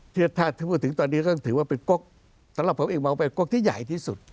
ถ้าพูดถึงตอนนี้ก็ถือว่าเป็นก๊กสำหรับผมเองมองเป็นก๊กที่ใหญ่ที่สุด